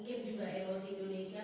dan mungkin juga erosi indonesia